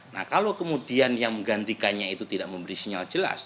nah kalau kemudian yang menggantikannya itu tidak memberi sinyal jelas